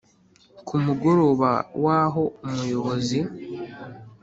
kumugoroba waho umuyobozi